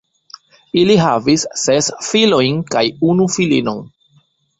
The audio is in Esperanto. Ili havis ses filojn kaj unu filinon.